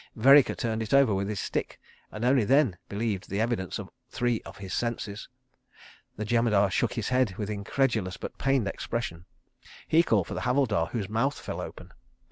Vereker turned it over with his stick, and only then believed the evidence of three of his senses. The Jemadar shook his head with incredulous but pained expression. He called for the Havildar, whose mouth fell open.